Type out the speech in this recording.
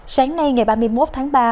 sáng nay ngày ba mươi một tháng ba